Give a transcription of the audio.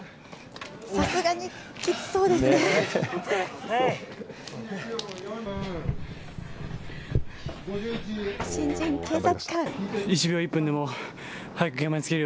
さすがにきつそうですね。